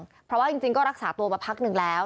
เพราะว่าจริงก็รักษาตัวมาพักหนึ่งแล้ว